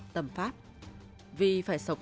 tầm pháp vì phải sống